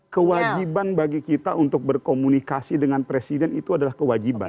kewajiban bagi kita untuk berkomunikasi dengan presiden itu adalah kewajiban